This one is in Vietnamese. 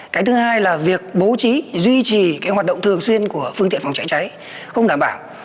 cái thứ hai là việc bố trí duy trì cái hoạt động thường xuyên của phương tiện phòng cháy cháy không đảm bảo